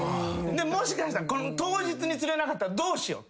もしかしたら当日に釣れなかったらどうしよう。